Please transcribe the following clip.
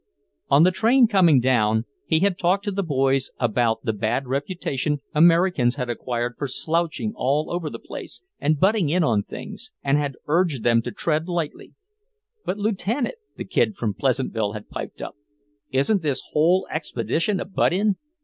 On the train, coming down, he had talked to the boys about the bad reputation Americans had acquired for slouching all over the place and butting in on things, and had urged them to tread lightly, "But Lieutenant," the kid from Pleasantville had piped up, "isn't this whole Expedition a butt in?